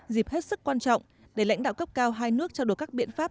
dịp hết sức quan trọng để lãnh đạo cấp cao hai nước trao đổi các biện pháp